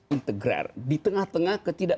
integrar di tengah tengah ketidak